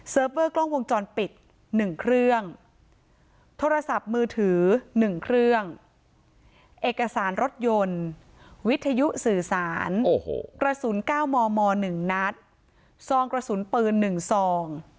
เวอร์กล้องวงจรปิด๑เครื่องโทรศัพท์มือถือ๑เครื่องเอกสารรถยนต์วิทยุสื่อสารกระสุน๙มม๑นัดซองกระสุนปืน๑ซอง